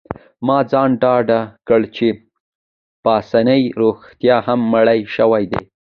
ما ځان ډاډه کړ چي پاسیني رښتیا هم مړی شوی دی.